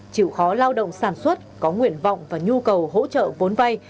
chịu khó lao động sản xuất có nguyện vọng và nhu cầu hỗ trợ vốn vay